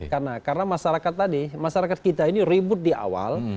karena masyarakat tadi masyarakat kita ini ribut di awal